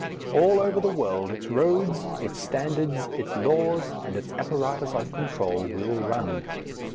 All over the world its roads, its standards, its laws, and its apparatus of control will run.